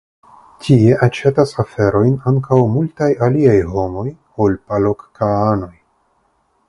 Tie aĉetas aferojn ankaŭ multaj aliaj homoj ol palokkaanoj.